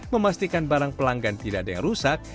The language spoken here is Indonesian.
memastikan barang pelanggan tidak ada yang rusak